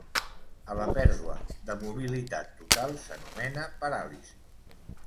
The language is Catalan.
A la pèrdua de mobilitat total s'anomena paràlisi.